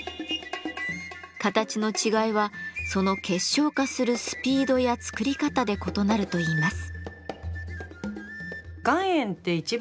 形の違いはその結晶化するスピードや作り方で異なるといいます。